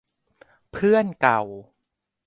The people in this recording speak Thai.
เพื่อนเก่า